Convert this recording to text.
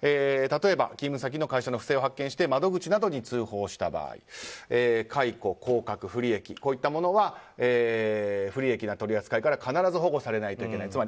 例えば勤務先の会社の不正を発見して窓口などに通報した場合解雇、降格、不利益こういったものは不利益な取り扱いから必ず保護されないといけない